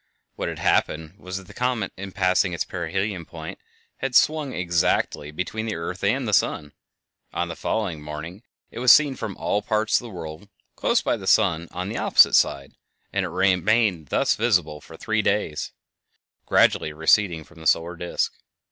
What had happened was that the comet in passing its perihelion point had swung exactly between the earth and the sun. On the following morning it was seen from all parts of the world close by the sun on the opposite side, and it remained thus visible for three days, gradually receding from the solar disk.